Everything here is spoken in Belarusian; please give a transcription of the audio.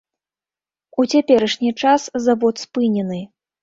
У цяперашні час завод спынены.